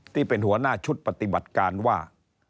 ที่เป็นหัวหน้าชุดปฏิบัติการว่า